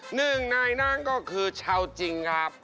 หนึ่งหน่ายนั้นก็คือเช่าจริงครับ